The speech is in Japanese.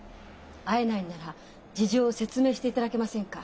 会えないんなら事情を説明していただけませんか？